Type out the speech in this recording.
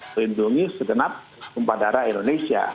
perhitungan segenap umpah darah indonesia